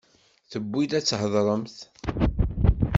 Tewwi-d ad tḥadremt.